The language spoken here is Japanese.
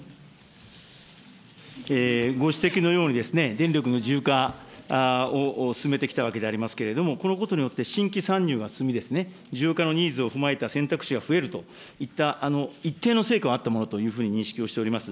ご指摘のようにですね、電力の自由化を進めてきたわけでございますけれども、このことによって新規参入が進み、自由化のニーズを踏まえた選択肢が増えるといった、一定の成果はあったものというふうに認識をしております。